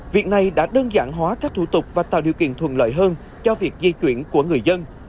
việc này đã đơn giản hóa các thủ tục và tạo điều kiện thuận lợi hơn cho việc di chuyển của người dân